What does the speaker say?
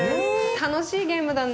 楽しいゲームだね。